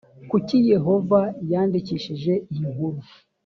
kuki yehova yandikishije iyi nkuru?